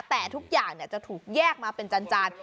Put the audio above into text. แต่ทุกอย่างจะถูกแยกมาเป็นจาน